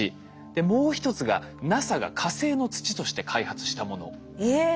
もう一つがＮＡＳＡが火星の土として開発したもの。えっ。